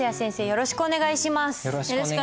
よろしくお願いします。